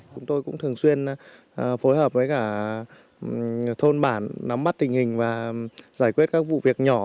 chúng tôi cũng thường xuyên phối hợp với cả thôn bản nắm mắt tình hình và giải quyết các vụ việc nhỏ